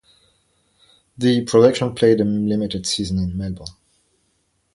The production played a limited season in Melbourne.